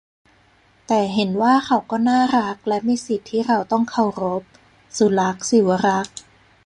แต่เห็นว่าเขาก็น่ารักและมีสิทธิ์ที่เราต้องเคารพ-สุลักษณ์ ศิวรักษ์